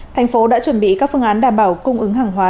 tp hcm đã chuẩn bị các phương án đảm bảo cung ứng hàng hóa